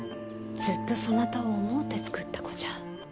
ずっとそなたを思うて作った子じゃ。